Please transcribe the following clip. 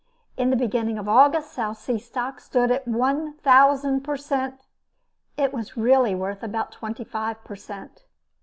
In the beginning of August, South Sea stock stood at one thousand per cent! It was really worth about twenty five per cent.